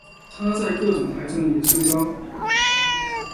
它在各种癌症中也升高。